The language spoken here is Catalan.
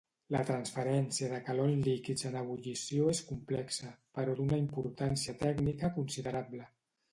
La transferència de calor en líquids en ebullició és complexa, però d'una importància tècnica considerable.